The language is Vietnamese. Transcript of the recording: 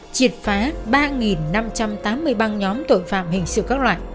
triệt phá ba năm trăm tám mươi băng nhóm tội phạm hình sự các loại